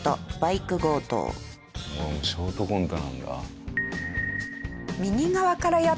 ショートコントなんだ。